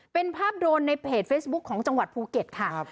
เป็นภาพโดรนในเพจเฟซบุ๊คของจังหวัดภูเก็ตค่ะ